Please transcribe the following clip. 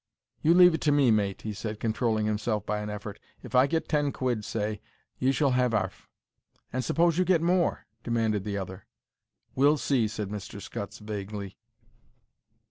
"You leave it to me, mate," he said, controlling himself by an effort. "If I get ten quid, say, you shall have 'arf." "And suppose you get more?" demanded the other. "We'll see," said Mr. Scutts, vaguely.